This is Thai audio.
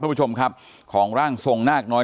คุณผู้ชมครับของร่างทรงนาคน้อย